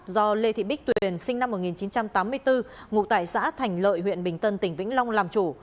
do lê thị bích tuyền sinh năm một nghìn chín trăm tám mươi bốn ngụ tại xã thành lợi huyện bình tân tỉnh vĩnh long làm chủ